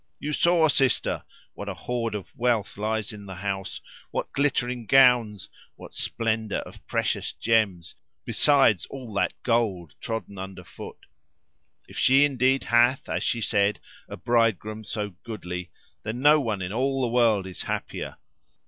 You saw, Sister! what a hoard of wealth lies in the house; what glittering gowns; what splendour of precious gems, besides all that gold trodden under foot. If she indeed hath, as she said, a bridegroom so goodly, then no one in all the world is happier.